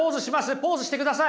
ポーズしてください！